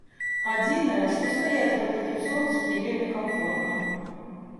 Адзінае, што стаяць пад такім сонцам не вельмі камфортна.